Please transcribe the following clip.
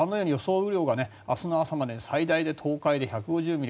雨量が明日の朝までに最大で東海で１５０ミリ